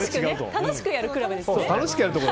楽しくやるクラブですね。